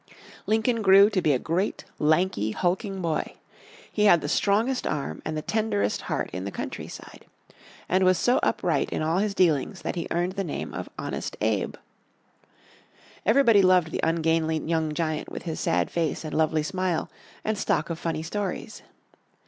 Lincoln grew to be a great, lanky, hulking boy. He had the strongest arm and the tenderest heart in the countryside, and was so upright in all his dealings that he earned the name of Honest Abe. Everybody loved the ungainly young giant with his sad face and lovely smile, and stock of funny stories.